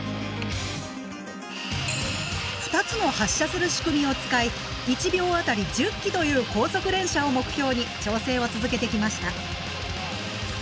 ２つの発射する仕組みを使い１秒当たり１０機という高速連射を目標に調整を続けてきました。